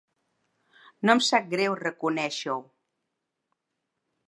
No em sap greu reconèixer-ho.